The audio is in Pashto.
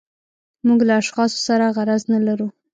موږ له اشخاصو سره غرض نه لرو.